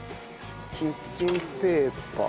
キッチンペーパー。